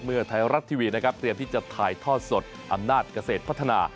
ไทยรัฐทีวีนะครับเตรียมที่จะถ่ายทอดสดอำนาจเกษตรพัฒนา